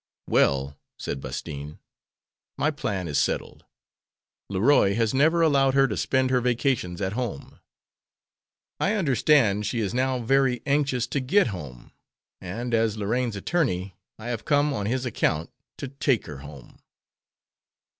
"Well," said Bastine, "my plan is settled. Leroy has never allowed her to spend her vacations at home. I understand she is now very anxious to get home, and, as Lorraine's attorney, I have come on his account to take her home."